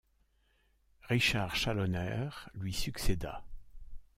Richard Challoner lui succéda.